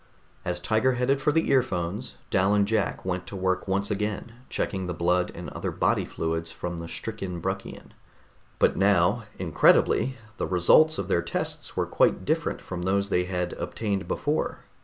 As Tiger headed for the earphones, Dal and Jack went to work once again, checking the blood and other body fluids from the stricken Bruckian. But now, incredibly, the results of their tests were quite different from those they had obtained before.